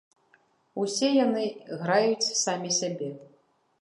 Усе яны граюць самі сябе.